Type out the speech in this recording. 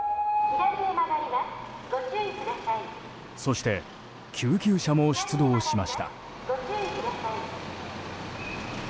そして救急車も出動しました。